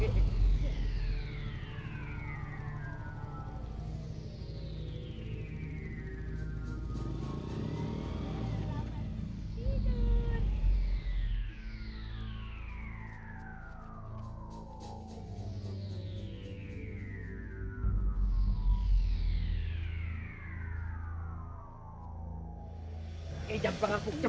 eh jangan pengapuk cepetan